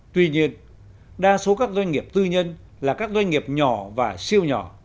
tuy nhiên đa số các doanh nghiệp tư nhân là các doanh nghiệp nhỏ và siêu nhỏ